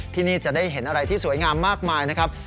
ที่นี่จะได้เห็นอะไรที่สวยงามมากมายนะครับ